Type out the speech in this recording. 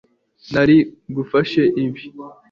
Nari ngufashe ibi